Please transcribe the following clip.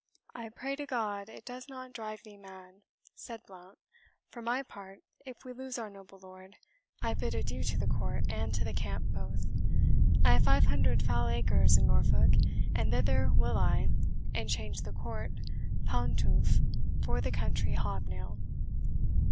"I pray to God it does not drive thee mad," said Blount; "for my part, if we lose our noble lord, I bid adieu to the court and to the camp both. I have five hundred foul acres in Norfolk, and thither will I, and change the court pantoufle for the country hobnail."